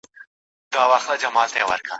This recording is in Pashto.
تندي ته مي سجدې راځي چي یاد کړمه جانان